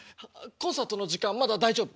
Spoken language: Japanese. コンサートの時間まだ大丈夫？